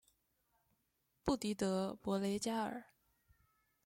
布迪德博雷加尔。